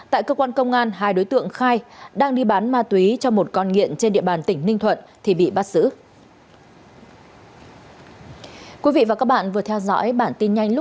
tại cơ quan công an hai đối tượng khai đang đi bán ma túy cho một con nghiện trên địa bàn tỉnh ninh thuận thì bị bắt xử